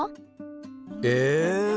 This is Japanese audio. え！